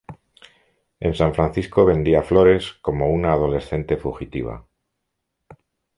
En San Francisco vendía flores como una adolescente fugitiva.